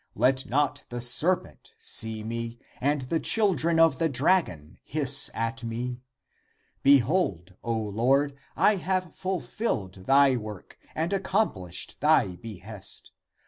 Let not the serpent see me, and the children of the dragon hiss at me ! Behold, O Lord, I have ful filled thy work and accomplished thy behest.